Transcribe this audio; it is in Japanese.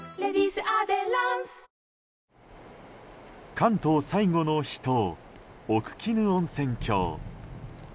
関東最後の秘湯奥鬼怒温泉郷。